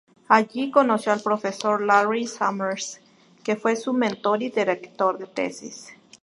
Allí conoció al profesor Larry Summers, que fue su mentor y director de tesis.